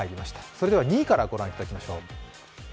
それでは２位からご覧いただきましょう。